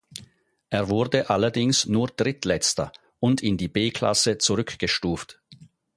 Er wurde allerdings nur Drittletzter und in die B-Klasse zurückgestuft.